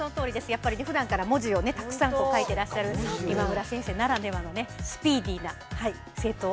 やっぱりふだんから文字をたくさん書いていらっしゃる今村先生ならではのスピーディーな正答。